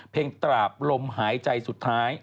ตราบลมหายใจสุดท้าย